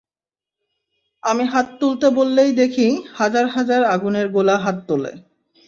আমি হাত তুলতে বললেই দেখি, হাজার হাজার আগুনের গোলা হাত তোলে।